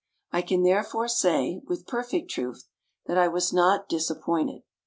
I can therefore say, with perfect truth, that I was not disappointed.